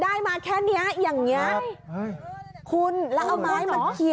ได้มาแค่นี้อย่างนี้